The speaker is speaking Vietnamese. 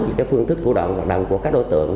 những phương thức thủ đoạn hoạt động của các đối tượng